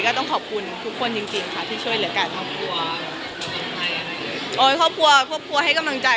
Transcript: ก็ต้องขอบคุณทุกคนจริงค่ะที่ช่วยเหลือการทำ